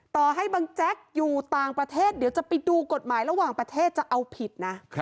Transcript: ต่อให้บังแจ๊กอยู่ต่างประเทศเดี๋ยวจะไปดูกฎหมายระหว่างประเทศจะเอาผิดนะ